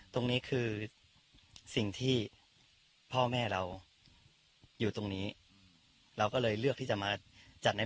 ตรงนี้คือสิ่งที่พ่อแม่เราอยู่ตรงนี้